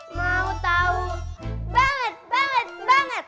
mau tahu banget banget banget